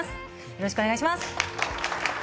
よろしくお願いします